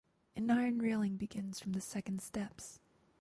An iron railing begins from the second steps.